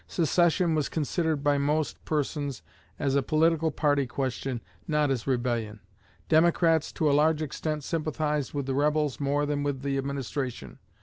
Secession was considered by most persons as a political party question, not as rebellion. Democrats to a large extent sympathized with the Rebels more than with the Administration.